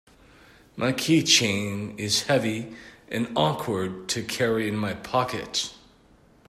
My keychain is heavy and awkward to carry in my pocket.